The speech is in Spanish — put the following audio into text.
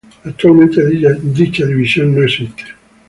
Actualmente dicha división no existe.